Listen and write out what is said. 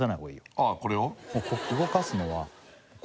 あこれを？